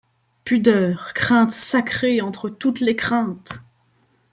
Pudeur, crainte sacrée entre toutes les craintes !